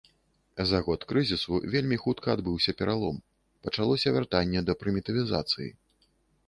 За год крызісу вельмі хутка адбыўся пералом, пачалося вяртанне да прымітывізацыі.